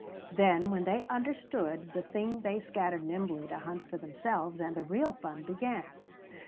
Then when they understood the thing they scattered nimbly to hunt for themselves, and the real fun began.